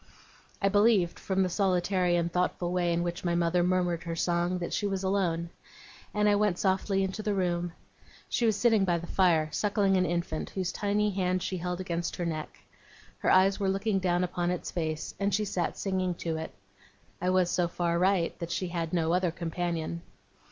I believed, from the solitary and thoughtful way in which my mother murmured her song, that she was alone. And I went softly into the room. She was sitting by the fire, suckling an infant, whose tiny hand she held against her neck. Her eyes were looking down upon its face, and she sat singing to it. I was so far right, that she had no other companion.